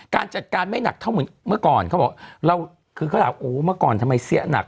การจัดการไม่หนักเท่าเหมือนเมื่อก่อนเขาบอกเราคือเขาถามโอ้เมื่อก่อนทำไมเสี้ยหนัก